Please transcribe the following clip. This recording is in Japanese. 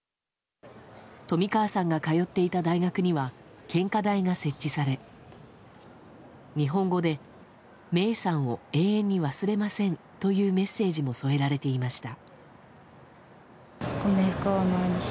冨川さんが通っていた大学には献花台が設置され日本語で、芽生さんを永遠に忘れませんというメッセージも添えられていました。